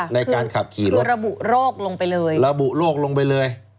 ในการขับขี่รถคือระบุโรคลงไปเลย